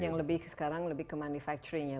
yang lebih sekarang lebih ke manufacturing ya